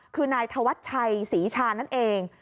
คือนายธวัชชัยศรีชานั่นเอง